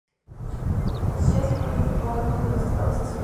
Xia simplemente ocupó algunos de los estados de ciudad.